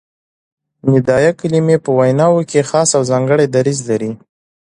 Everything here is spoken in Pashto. ندائیه کلیمې په ویناوو کښي خاص او ځانګړی دریځ لري.